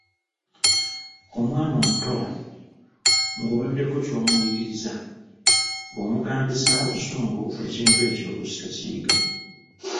Omwana omuto ng’obaddeko ky’omuyigiriza, bw’omugambisa obusungu ekintu ekyo oluusi takiyiga.